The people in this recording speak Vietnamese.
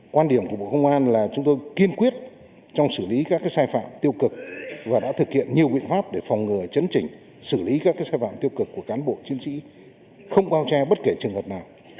quan điểm của bộ công an là chúng tôi kiên quyết trong xử lý các sai phạm tiêu cực và đã thực hiện nhiều biện pháp để phòng ngừa chấn chỉnh xử lý các sai phạm tiêu cực của cán bộ chiến sĩ không bao che bất kể trường hợp nào